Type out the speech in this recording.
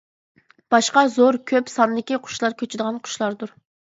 باشقا زور كۆپ ساندىكى قۇشلار كۆچىدىغان قۇشلاردۇر.